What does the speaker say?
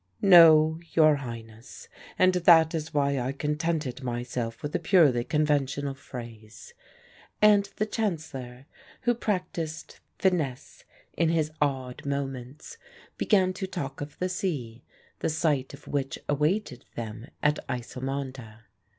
"No, your Highness, and that is why I contented myself with a purely conventional phrase;" and the Chancellor, who practised finesse in his odd moments, began to talk of the sea, the sight of which awaited them at Ysselmonde.